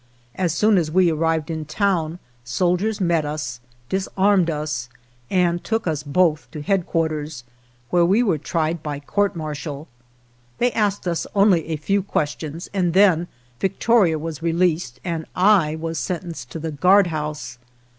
As soon as we arrived in town soldiers met us, disarmed us, and took us both to headquar ters, where we were tried by court martial. They asked us only a few questions and then Victoria was released and I was sentenced to the guardhouse.